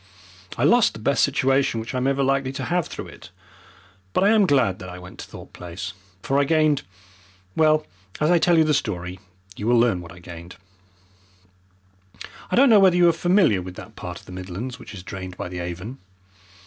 I lost the best situation which I am ever likely to have through it. But I am glad that I went to Thorpe Place, for I gained well, as I tell you the story you will learn what I gained. I don't know whether you are familiar with that part of the Midlands which is drained by the Avon.